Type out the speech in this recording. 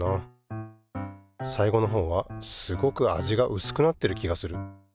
最後のほうはすごく味がうすくなってる気がする。